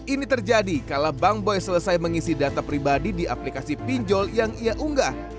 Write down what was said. ini terjadi kala bang boy selesai mengisi data pribadi di aplikasi pinjol yang ia unggah